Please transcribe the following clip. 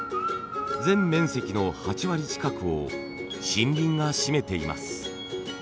全面積の８割近くを森林が占めています。